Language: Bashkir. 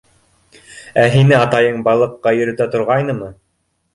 — Ә һине атайың балыҡҡа йөрөтә торғайнымы?